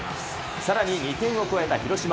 さらに２点を加えた広島。